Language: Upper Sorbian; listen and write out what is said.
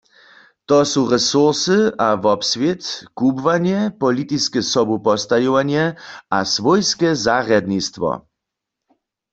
To su resursy a wobswět, kubłanje, politiske sobupostajowanje a swójske zarjadnistwo.